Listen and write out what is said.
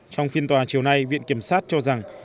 trong phiên tòa chiều nay viện kiểm sát cho rằng